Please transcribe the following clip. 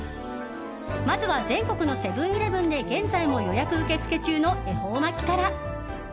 まずは全国のセブン‐イレブンで現在も予約受け付け中の恵方巻きから。